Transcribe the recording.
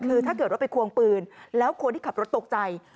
คือถ้าเกิดว่าไปควงปืนแล้วคนที่ขับรถตกใจ